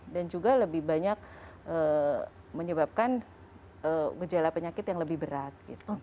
dan juga lebih banyak menyebabkan gejala penyakit yang lebih besar